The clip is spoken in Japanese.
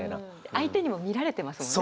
相手にも見られてますもんね。